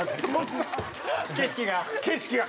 景色が？